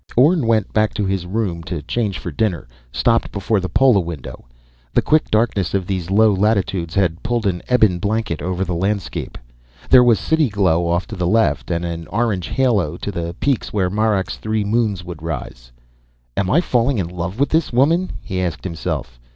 Orne went back to his room to change for dinner, stopped before the polawindow. The quick darkness of these low latitudes had pulled an ebon blanket over the landscape. There was city glow off to the left, and an orange halo to the peaks where Marak's three moons would rise. Am I falling in love with this woman? he asked himself.